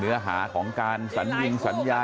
เนื้อหาของการสัญญา